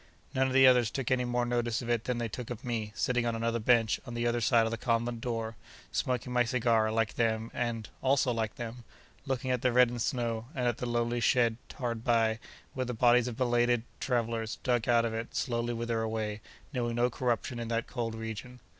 None of the others took any more notice of it than they took of me, sitting on another bench on the other side of the convent door, smoking my cigar, like them, and—also like them—looking at the reddened snow, and at the lonely shed hard by, where the bodies of belated travellers, dug out of it, slowly wither away, knowing no corruption in that cold region.